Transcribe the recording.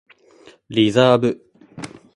リザーブ